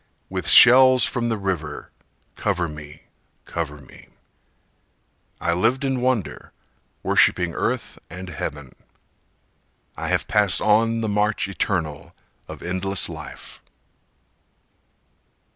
With shells from the river cover me, cover me. I lived in wonder, worshipping earth and heaven. I have passed on the march eternal of endless life.